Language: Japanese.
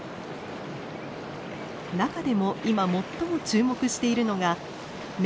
中でも今最も注目しているのがメスのＡ。